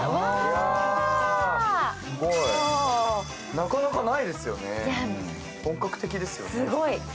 なかなかないですよね、本格的ですよね。